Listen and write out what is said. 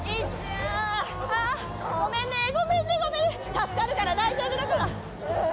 助かるから大丈夫だから！